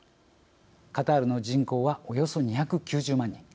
カタールの人口はおよそ２９０万人。